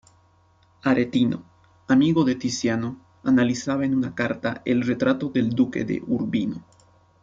Aretino, amigo de Tiziano, analizaba en una carta el retrato del duque de Urbino.